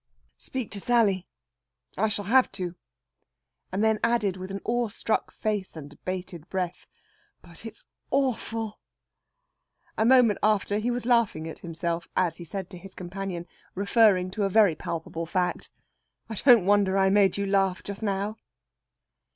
"Speak to Sally. I shall have to." And then added, with an awestruck face and bated breath: "But it's awful!" A moment after he was laughing at himself, as he said to his companion, referring to a very palpable fact, "I don't wonder I made you laugh just now."